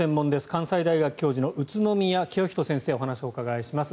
関西大学教授の宇都宮浄人先生にお話をお伺いします。